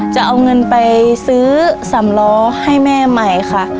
จะเอาเงินไปซื้อสำล้อให้แม่ใหม่ค่ะ